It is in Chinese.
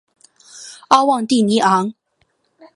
阿旺蒂尼昂。